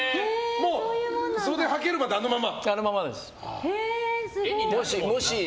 それで、はけるまであのまま。